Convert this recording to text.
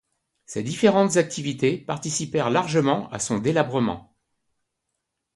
Ces différentes activités participèrent largement à son délabrement.